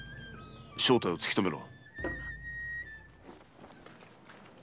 正体を突き止めろ。